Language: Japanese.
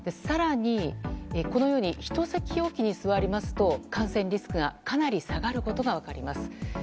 更に、このように１席おきに座りますと感染リスクがかなり下がることが分かります。